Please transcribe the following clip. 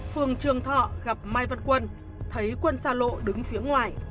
phường trường thọ gặp mai văn quân thấy quân xa lộ đứng phía ngoài